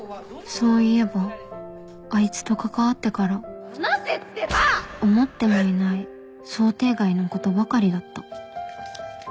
そういえばあいつと関わってから思ってもいない想定外のことばかりだった